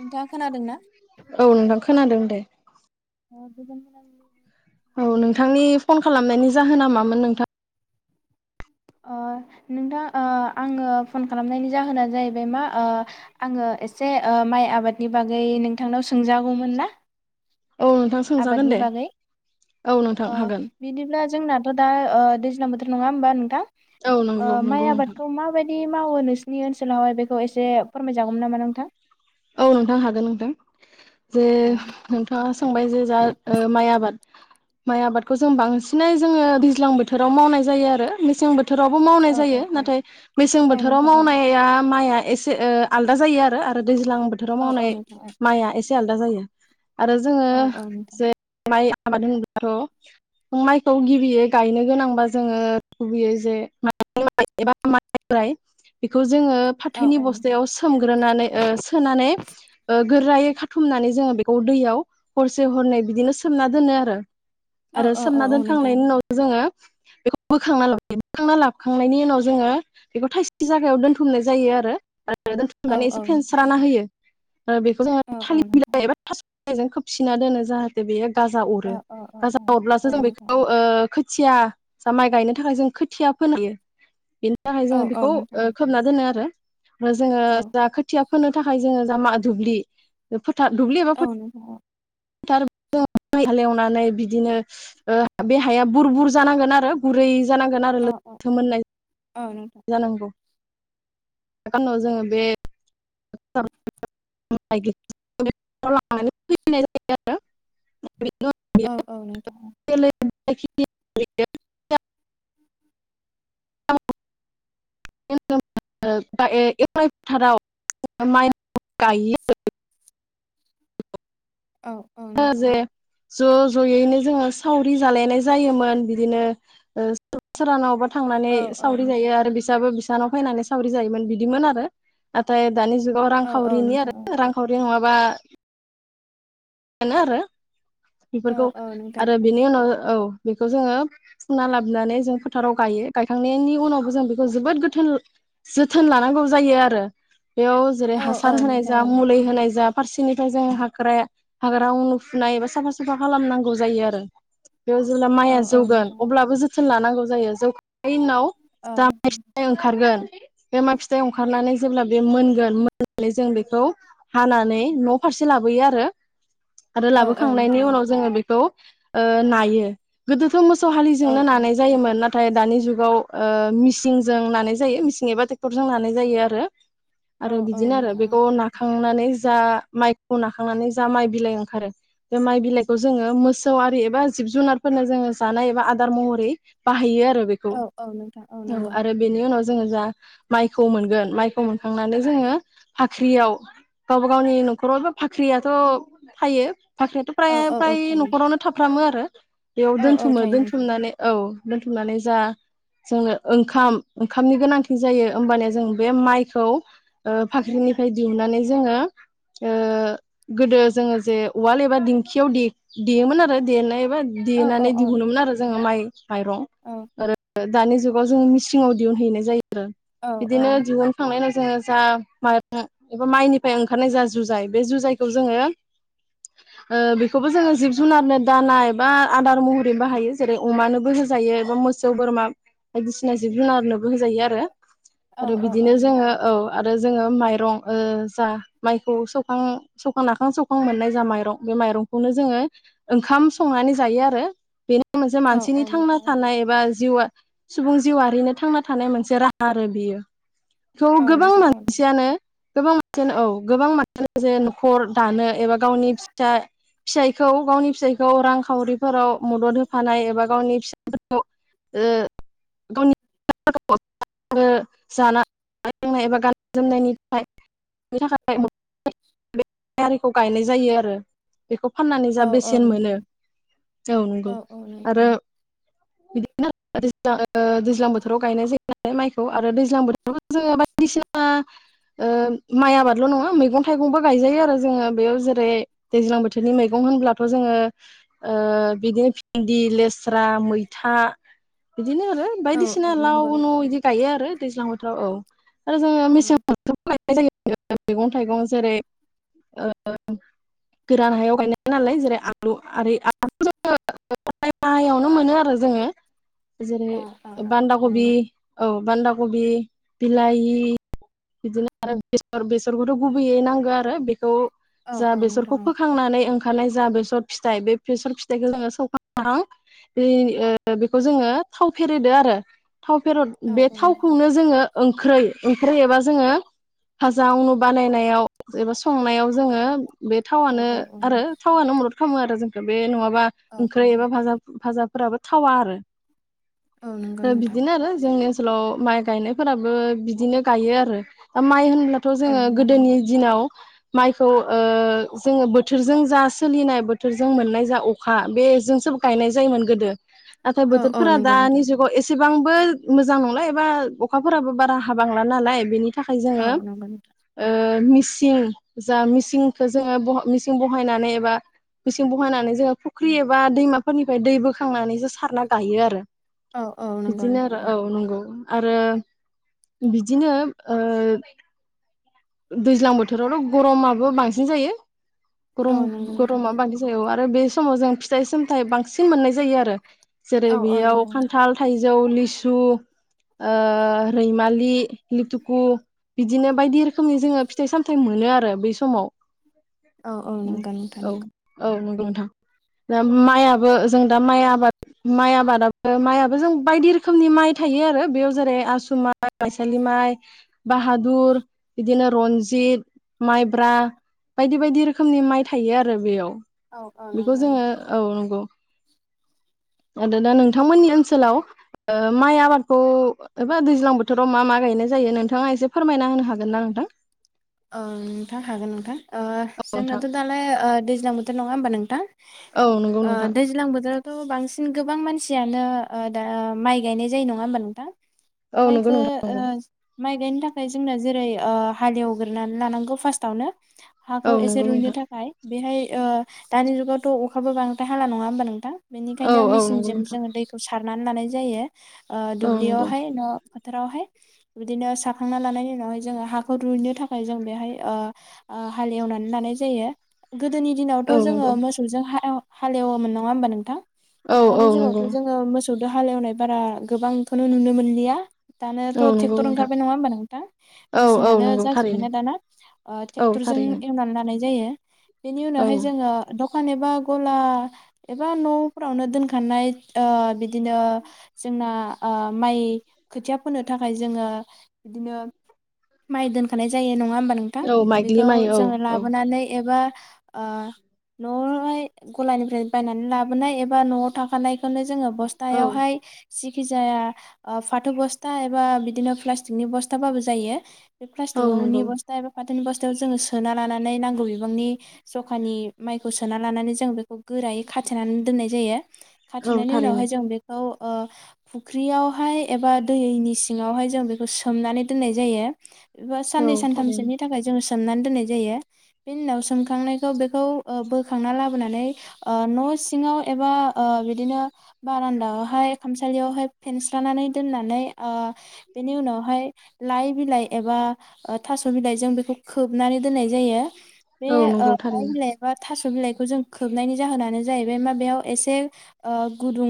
नोंथाङा खोनादों ना? [inaudible] औ नोंथां खोनादों दे [inaudible] औ नोंथांनि फन खालामनायनि जाहोनाामोन नोंथां? ओ नोंथां ओ आङो फन खालामनायनि जाहोना जाहैबाय मा आङो एसे माइ आबादनि बागै नोंथांनाव सो सोंजागौमोन ना? औ नोंथां सोंजागोन आबादनि दे बागै औ नोंथां ओ हागोन बिदिब्ला जोंनाथ दा ओ दैज्लां बोथोर नङा होमबा नोंथां औ ओ नंगौ नंगौ माइ नोंथां आबादखौ माबायदि जि मावो नोंसिनि ओनसोलावहाय बेखौ एसे फोरमायजागौमोन नामा नोंथां? औ नोंथां हागोन नोंथां। जे औ नोंथाङा सोंबाय जे जा माइ आबाद माइ आबादखौ जों बांसिनै जोङो दैज्लां बोथोराव मावनाय जायो आरो मेसें बोथोराव बोथोरावबो मावनाय औ जायो औ नाथाय मेसें औ बोथोराव नोंथां औ मावनाया माइआ एसे ओ आलदा जायो आरो दैज्लां बोथोराव औ औ मावनाय नोंथां माइआ एसे आलदा जायो। आरो जोङो औ औ नोंथां जे माइ आबाद होनब्लााथ माइखौ गिबियै गायनो गोनांबा जोङो गुबैयो जे एबा माइ बेखौ जोङो औ फाथोनि औ नोंथां बस्थायाव सोमग्रोनानै ओ सोनानै ओ गोरायै खाथुमनानै जोङो बेखौ दैयाव हरसे हरनै बिदिनो सोमना दोनो आरो। औ आरो औ औ सोमना औ नोंथां दोनखांनायनि उनाव जोंङो बेखौ बोखांना लाबोयो बोखांना लाबोखांनायनि उनाव जोङो बेखौ थाइसे जायगायाव दोनथुमनाय जायो आरो। आरो औ दोनथुमनानै एसे फेनसि फोराना होयो। बेखौ जोंङो औ औ थालिर नोंथां बिलाय एबा थास बेजों खोबसिना दोनो जाहाथे बेयो गाजा औ अरो औ औ औ गाजा औ अरब्लासो जों नोंथां बेखौ ओ खोथिया जा माइ गायनो थाखाय जों खोथिया फोनो हायो। थाखाय औ जोङो औ बेखौ नोंथां ओ खोबना दोनो आरो। जोङो औ जा खोथिया फोनो थाखाय जोङो जामा दुब्लि दा दुब्लि एबा औ फो नोंथां [unintelligible] हालेवनानै बिदिनो बे हाया बुर बुर जानांगोन आरो गुरै। जानांगोन आरो औ औ लोथोमोननाय। औ नोंथां औ जोङो बे [unintelligible] खुलिनाय जायो आरो। औ औ नोंथां औ [unintelligible] एवनाय फोथाराव माइ गायो आरो। औ औ नोंथां जे औ ज' ज'यैनो जोंङो सावरि जालायनाय जायोमोन बिदिनो ओ सोरहानावबा थांनानै औ औ सावरि जायो नोंथां आरो बिसाबो बिस बिसानाव फैनानै सावरि जायोमोन बिदिमोन आरो नाथाय दानि जुगाव औ औ रांखावरिनि नोंथां आरो रांखावरि नङा बा मोना आरो औ बेफोरखौ औ नोंथां आरो बेनि उनाव औ बेखौ जोंङो फुना लाबोनानै जों फोथाराव गायो गायखांनायनि उनावबो जों बेखौ जोबोद गोथोन जोथोन लानांगौ जायो आरो बेयाव जेरै औ औ हासार होनाय जा नोंथां मुलि होनाय जा। फारसेनिफ्राय जों हाग्राया हाग्रा उनु फुनाय एबा साफा सुफा खालामनांगौ जायो आरो। बेयाव जेब्ला माइया औ औ जौगोन नोंथां अब्लाबो जो जोथोन लानांगौ जायो जौखाय उनाव औ जानायखिनिया ओंखारगोन बे माइ फिथाइ ओंखारनानै जेब्ला बे मोनगोन मोननानै जों बेखौ हानानै न फारसे लाबोयो आरो। आरो औ औ लाबोखांनायनि नोंथां उनाव जोंङो बेखौ ओ नायो गोदो थ मोसौ औ हालिजोंनो नानाय जायोमोन ना थाय दानि जुगाव ओ मिसिंजों नानाय जायो मिसिं एबा ट्रेक्टरजों नानाय जायो आरो। आरो औ औ बिदिनो आरो नोंथां बेखौ नाखांनानै जा माइखौ नाखांनानै जा माइ बिलाइ ओंखारो बे माइ बिलाइखौ जोंङो मोसौ आरि एबा जिब जुनारफोरनो जोंङो जानाय एबा आदार महरै बाहायो आ रो बेखौ औ औ नोंथां औ नंगौ आरो बेनि उनाव जों जा मायखौ मोनगोन मायखौ मोनखांनानै जोंङो बाख्रिआव गावबागावनि नखराव बा बाख्रिया थ फायो बाख्रियाथ औ औ औ फ्राय-फ्राय थायो नखरावनो थाफ्रामो हो बेयाव औ औ दोनथुमो थायो नोंथां दोनथुमनानै औ दोनथुमनानै जा जोंनो ओंखाम-ओंखामनि गोनांथि जायो होमबानिया जों बे माइखौ ओ बाख्रिनिफ्राय दिहुननानै जोंङो ओ गोदो जोंङो जे उवाल एबा दिंखियाव दे-देयोमोन आरो देनाय औ औ देनानै औ औ दिहुनोमोन आरो जोंङो माइ माइरं औ [unintelligible] दानि जुगाव जों मिसिंआव दिहुनहैनाय जायो। औ बिदिनो दिहुनखांनाय उनाव जोंओ जा मा-माइनिफाय ओंखारनाय ओ जा जुजाय बे जुजाय बेखौ जोंङो ओ बेखौबो जोंङो जिब जुनारनो दाना एबा आदार महरै बाहायो जेरै अमानोबो होजायो एबा मोसौ बोरमा बायदिसिना जिब जुनारनोबो होजायो आरो। आरो औ औ बिदिनो जोंङो औ आरो जोंङो माइरं ओ जा माइखौ सौखां सौखां नाखां सौखां मोननाय जा माइरं बे माइरंखौनो जोंङो ओंखाम संनानै जायो आरो बेनो मोनसे नोंथां औ मानसिनि थांना नोंथां थानाय एबा जिउआ सुबुं जिउआरिनो थांना थानाय मोनसे राहा आरो बियो खौ गोबां मानसियानो गोबां मानसियानो औ गोबां मानसियानो जे न खर दानो एबा गावनि फिसा-फिसायखौ गावनि फिसायखौ रांखावरिफोराव मदद होफानाय एबा गावनि फि फोरखौ ओ [unintelligible] गावनि जानाय लोंनाय एबा गाननाय जोमनायनि थाखाय [unintelligible] बे [unintelligible] आरिखौ गायनाय जायो आरो बेखौ फाननानै जा औ औ बेसेन मोनो नोंथां औ नंगौ औ आरो नोंथां बिदिनो आरोव [unintelligible] दैज्लां बोथोराव गायनाय जायोलाय माइखौ आरो दैज्लां बोथोराव जोङो बायदिसिना ओ माइ आबादल नङा मैगं-थाइगं मैगंबो गायजायो आरो जोङो बेयाव जेरै दैज्लां बोथोरनि मैगं होनब्लाथ जोङो ओ बिदिनो भिन्दि लेस्रा मैथा बिदिनो आरो औ औ बायदिसिना लाव नंगौ उनु नोंथां इदि गायो आरो दैज्लां बोथोराव औ आरो जोङो औ मेसें [inaudible] [unintelligible] मैगं थाइगं जेरै ओ गोरान हायाव गायनाय नालाय जेरै आलु-आरि जोङो माहायावनो मोनो आरो जोङो जेरै औ औ नोंथां बान्दा औ कबि नंगौ औ बान्दा कबि बिलाहि बिदिनो आरो बेसर बेसरखौथ' गुबैयै नांगो आरो बेखौ औ जा औ बेसरखौ नोंथां फोखांनानै खानाय जा बेसर फिथाइ बे बेसर फिथाइखौ जोङो सौखां -बाखां बेखौ जोङो थाव फेरेदो आरो थाव फेरद औ बे औ थावखौनो जोङो ओंख्रै ओंख्रै एबा जोङो भाजा आनु बानायनायाव एबा संनायाव जोङो बे औ थावानो औ औ आरो थावआनो मदद खामो आरो जोंखो बे न'वा बा औ ओंख्रै एबा औ भाजा भाजाफोराबो थावा आरो औ नंगौ ओ नोंथां बिदिनो आरो जोंनि ओनसोलाव माइ गायनायफोराबो बिदिनो गायो आरो अ माय होन थ' औ जोङो नंगौ गोदोनि नोंथां दिनाव । माइखौ ओ जोङो बोथोरजों जा सोलिनाय बोथोरजों मोननाय जा अखा बेजोंसो गायनाय जायोमोन गोदो। नाथाय औ औ बोथोरफोरा नंगौ दानि नोंथां जुगाव एसे। एसेबांबो मोजां नंला एबा अखाफोराबो बारा हाबांला नालाय बेनि थाखाय औ जोङो नंगौ नोंथां ओ । मिसिं जा मिसिंखौ जोङो मिसिं बहायनानै एबा मिसिं बहायनानै जोङो फुख्रि एबा दैमाफोरनिफ्राय दै बोखांनानैसो सारना गायो आरो। औ औ नंगौ बिदिनो आरो औ नोंथां नंगौ। आरो बिदिनो। ओ दैज्लां बोथोरावल' गरमाबो बांसिन जायो। औ औ नंगौ नोंथां गरम-गरमा बांसिन जायो आरो बे। बे समाव जों फिथाइ सामथाइ बांसिन मोननाय जायो आरो। जेरै औ औ बेयाव नंगौ नोंथां खान्थाल थाइजौ लिसु ओ दैमारि [unintelligible] बिदिनो बायदि रोखोमनि जोङो फिथाइ सामथाय मोनो आरो बै समाव। औ औ नंगौ नोंथां औ नंगौ। औ नंगौ नोंथां दा माइय ओ जों दा आबाद माइ आबादाबो माइयाबो जों बायदि रोखोमनि माइ थायो आरो बेयाव जेरै आसु माइ माइसालि माइ। [inaudible] बाहादुर बिदिनो रनजित माइब्रा बायदि बायदि रोखोमनि माइ थायो आरो बेयाव। औ औ बेखौ नंगौ जोङो औ नंगौ। आरो दा नोंथांमोननि ओनसोलाव ओ माइ आबादखौ एबा दैज्लां बोथोराव मा मा गायनाय जायो नोंथाङा एसे फोरमायना होनो हागोन ना नोंथां? औ नोंथां हागोन नोंथां ओ औ नोंथां जोंनाथ' दालाय ओ दैज्लां बोथोर नङा होमबा ओ औ नंगौ नोंथां नोंथां दैज्लां बोथोर। थ' बांसिन गोबां मानसियानो ओ दा माइ गायनाय जायो नङा होमबा नोंथां। औ नोंगौ माइखो नोंथां ओ नांगौ माइ गायनो थाखाय जोंनो जेरै ओ हालेव [unintelligible] लानांगौ फार्स्टआवनो। औ हाखौ एसे नंगौ रुयनो नोंथां थाखाय बेहाय ओ दानि जुगावथ' अखाबो बांद्राय हाला नङा होमबा नोंथां? औ बेनिखायनो औ नंगौ मेसिनजों नोंथां जोङो दैखौ। सारनानै लानाय जायो। ओ औ नंगौ दुब्लियावहाय नो। फोथारावहाय बिदिनो साखांना लानायनि उनावहाय जोङो हाखौ रुइनो थाखाय। [unintelligible] जों बेहाय ओ ओ हालेवनानै लानाय जायो। गोदोनि दिनावथ' औ जोङो नंगौ मोसौजों [inaudible] हालेवयोमोन नङा होनबा नोंथां? औ औ दानि जुगावथ नंगौ जोङो मो सौदो हालेवनाय बारा गोबांथ नुनो मोनलिया दानोथ औ नंगौ ट्रेक्टर नोंथां ओंखारबाय नङा होमबा नोंथां औ औ मिसिनानो नंगौ थारैनो जाजोब- दाना ओ औ ट्रेक्टरजों थारैनो एवनानै लानाय जायो बेनि औ उनावहाय जोङो द फान एबा गला एबा नफोरावनो दोनखानाय ओ बिदिनो जोंना ओ माइ खोथिया फोनो थाखाय जोङो बिदिनो माय नाय जायो नङा ङा हबा नोंथां औ माइग्लि बेखौ माइ औ जोङो औ लाबोनानै एबा ओ नआवहाय गलानिफ्राय बायनानै लाबोनाय एबा नआव थाखानायखौनो जोङो। औ बस्थायावहाय जिखिजाया ओ फाथो बस्था एबा बिदिनो प्लास्टिकनि बस्थाबाबो जायो । औ प्लाटिक आवनि नंगौ बस्था एबा फा थोनि बस्थायाव जोङो सोना लानानै नांगौ बिबांनि जखानि माइखौ सोना लानानै जों बेखौ गोरायै खाथेनानै दोननाय जायो। औ खाथेनायनि थारैनो उनावहाय जों बेखौ । ओ फुख्रियावहाय एबा दैनि सिङावहाय जों बेखौ सोमनानै दोननाय जायो। बा औ साननै थारैनो सानथामसोनि थाखाय जों सोमनानै दोननाय जायो बेनि उनाव सोम बारान्दायावहाय खामसालियावहाय । फेनस्रानानै दोननानै ओ । बेनि उनावहाय लाइ बिलाइ । बा थास' बिलाइजों बेखौ खोबनानै दोननाय जायो। बे औ ओ नंगौ लाइ थारैनो बिलाइबा थास' बिलाइखौ जों खोबनायनि जाहोनानो जाहैबाय मा बेयाव एसे गुदुं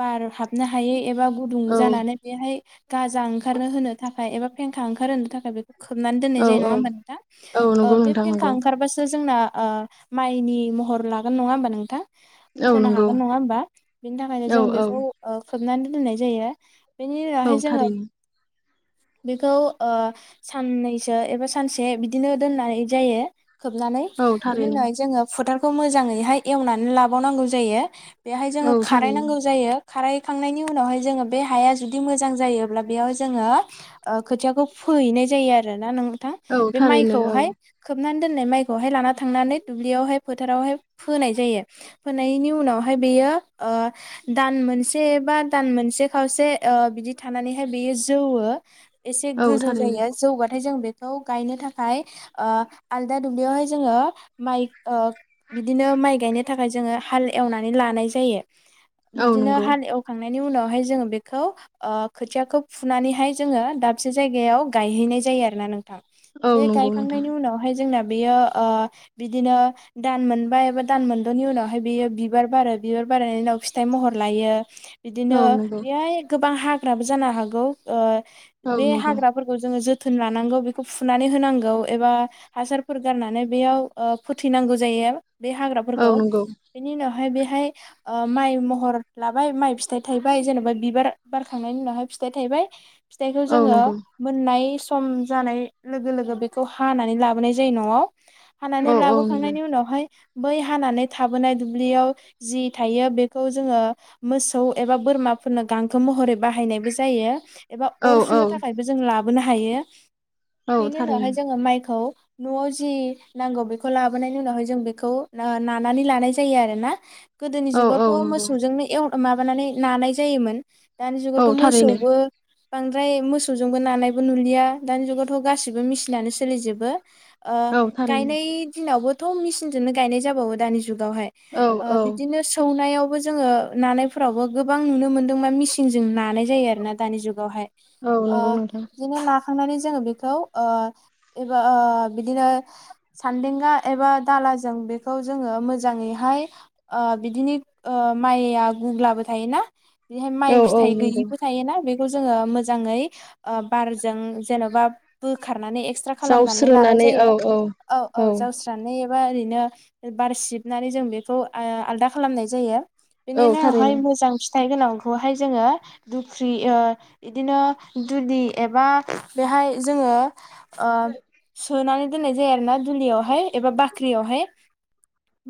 बार हाबनो हायै एबा गुदुं औ जानानै बेहाय। गाजा ओंखारनो होनो थाखाय एबा फेंखा ओंखारहो थाखाय बे खोबनानै दोननाय औ जायो नङा औ होमबा नोंथां? औ नंगौ ओ बे नोंथां फेंखा नंगौ ओंखारबासो जोंना ओ माइनि महर लागोन नङा होमबा नोंथां? औ फोनो नंगौ हागोन नङा होमबा? बिनि थाखायनो औ जों औ बेखौ ओ खोबनानै दोननाय जायो। बेनि औ उनावहाय जोङो । थारैनो बेखौ ओ साननैसो एबा सानसे बिदिनो दोननाय जायो। खोबनानै औ बेनि थारैनो उनावाय जोङो फोथार खौ मोजाङैहाय एवनानै लाबावनांगौ जायो। बेहाय जोङो औ खाराय थारैनो नांगौ जायो। खाराखांनायनि उनावहाय जोङो बे हाया जुदि मोजां जायोब्ला बेयाव जोङो ओ खोथियाखौ फोहैनाय जायो आरो ना नों थां औ बे थारैनो औ माइखौहाय सोमनानै दोननाय माइखौहाय लाना थांनानै दुब्लियावहाय फोथारावहाय फोनाय जायो। फोनायनि उनावहाय बेयो ओ दान मोनसे बा दान मोनसे एसे औ गोजौ थारैनो जायो जौगाथाय जों बे खौ गायनो थाखाय ओ आलदा दुब्लियावहाय जोङो माइ ओ बिदिनो माइ गायनो । थाखाय जोङो हाल एवनानै लानाय जायो। औ बिदिनो नंगौ हाल एवखांनाय बिनि उनावहाय जोङो बेखौ ओ खोथियाखौ फुनानैहाय जोङो दा मोनसे जायगायाव गायहैनाय जायो आरोना नों थां औ बे नंगौ नोंथां गायखांनायनि उनावहाय जोंना बेयो ओ बिदिनो दान मोनबाया एबा दान मोनद'नि उनावहाय बेयो बिबार बारो बिबार बारनायनि उनाव फिथाइ महर लायो। बिदिनो औ नंगौ बेहाय गोब - बां हाग्राबो जानो हागौ। औ बे नंगौ हाग्राफोरखौ जोङो जोथ थोन लानांगौ बेखौ फुनानै होनांगौ एबा हासारफोर गारनानै बेयाव ओ फोथैनांगौ जायो । बे औ हाग्राफोरखौ नंगौ बेनि उनाव हाय बेहाय माइ महर लाबाय माइ फिथाइ थायबाय जेन'बा बिबार बारखांनायनि उनावहाय फिथाइ थायबाय। फिथाइखौ औ जोङो नंगौ मोननाय सम जानाय लोगो लोगो बेखौ हानानै लाबोनाय जायो न'आव। हानानै औ औ नंगौ लाबोखांनायनि उनावहाय बै हानानै थाबोनाय दुब्लियाव जि थायो बेखौ जोङो मोसौ एबा बोरमाफोरनो गांखो महरै बाहायनायबो जायो। औ अर औ सुनो थाखायबो जों लाबो बोनो हायो। औ बेनि उनावहाय थारैनो जोङो माइखौ न'आव जि नांगौ बेखौ लाबोनायनि उनावहाय जों बेखौ ओ नानानै लानाय जायो आरोना। गोदोनि औ जुगावथ' औ नंगौ मोसौजोंनो एव माबानानै नानाय जायोमोन। दानि औ जुगावथ' थारैनो मोसौबो बांद्राय मोसौजोंबो नानायबो नुलिया दानि जुगावथ' गाैबो मेसिनानो सोलिजोबो। ओ औ थारैनो गायनाय दिनावबो मेसिनजोंनो गायनाय जाबावो दानि जु गावहाय औ औ बिदिनो सौनायाव थेवबो जोङो नानायफोरावबो गोबां नुनो मोन्दोंबा मिचनजों नानाय जायो आरो ना दानि जुगावहाय औ ओ नंगौ नोंथां दिनो मा थांनानै जोङो बेखौ एबा बिदिनो सानदांगा एबा दाला जों बेखौ जोङो मोजाङैहाय ओ बिदिनो ओ माइआ गुबुब्लाबो थायोना बेहाय औ माइ औ फिथाइ नंगौ गैयिबो थायोना बे जोङो मो मोजाङै ओ बारजों जेन'बा बोखा रनानै एक्सट्रा खालामनानै लानाय जावस्रोनानै जायो औ औ औ औ-औ जावस्रोनानै [unintelligible] ओरैनो बार सिबनानै जों बेखौ ओ आलदा खालामनाय जायो। औ बिनिनो आवहाय थारैनो मोजां फि फिथाइ गोनांखौहाय जोङो दुख्रि ओ बिदिनो दुलि एबा बेहाय जोङो ओ सोनानै दोननाय जायो आरो ना दुलियावहाय एबा बाख्रियावहाय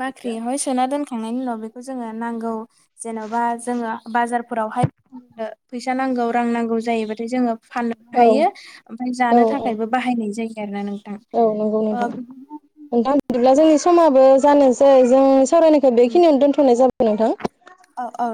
बाख्रियावहाय सोना दोनखा थांनायनि उनाव बेखौ जोङो नांगौ जेन'बा जोङो बाजार फोरावहाय फैसा नांगौ। रां नांगौ जायोबथाय जोङो फाननोबो औ हायो ओमफाय जानो औ औ थाखायबो बाहायनाय जायो। [unintelligible] औ नंगौ ओ नोंथां नोंथां बिदिब्ला बिदिनो जोंनि समाबो जानोसै जों सावरायनायखौ बेखिनियावनो दोनथ'नाय जाब [unintelligible] नोंथां औ-औ